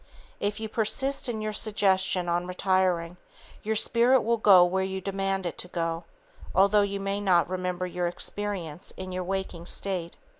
If you persist in your suggestion on retiring, your spirit will go where you demand it to go, although you may not remember your experience in your waking state.